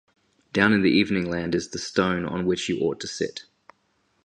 Down in the evening land is the stone on which you ought to sit.